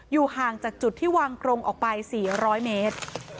ห่างจากจุดที่วางกรงออกไป๔๐๐เมตร